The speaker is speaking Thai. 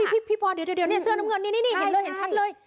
พี่พรเดี๋ยวเสื้อน้ำเงินนี่เห็นเลยเห็นชัดเลย